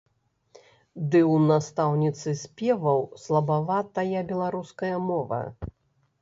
Ды ў настаўніцы спеваў слабаватая беларуская мова.